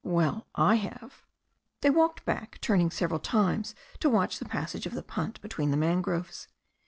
"Well, I have." They walked back, turning several times to watch the passage of the punt between the mangroves.